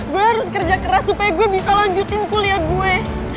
gue harus kerja keras supaya gue bisa lanjutin kuliah gue